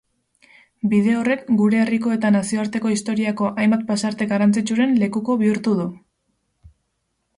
Bide horrek gure herriko eta nazioarteko historiako hainbat pasarte garrantzitsuren lekuko bihurtu du.